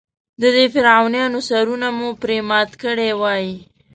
د دې فرعونانو سرونه مو پرې مات کړي وای.